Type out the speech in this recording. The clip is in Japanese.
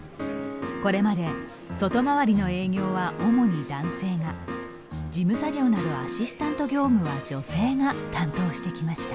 これまで外回りの営業は主に男性が事務作業などアシスタント業務は女性が担当してきました。